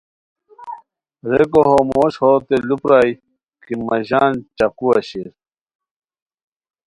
ریکو ہو موش ہوتے لوپرائے کی مہ ژان چاقوا شیر رے